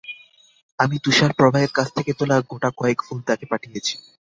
আমি তুষার প্রবাহের কাছ থেকে তোলা গোটাকয়েক ফুল তাকে পাঠিয়েছি।